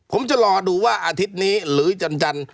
ผมจะรอดูว่าอาทิตย์นี้หรือจัน